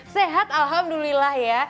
sehat alhamdulillah ya